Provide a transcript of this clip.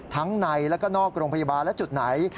ทั้งในแล้วก็นอกโรงพยาบาลและจุดไหน